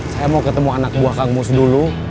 saya mau ketemu anak buah kang mus dulu